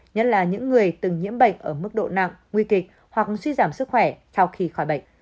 nhất là những người từng nhiễm bệnh ở mức độ nặng nguy kịch hoặc suy giảm sức khỏe sau khi khỏi bệnh